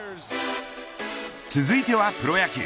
続いてはプロ野球。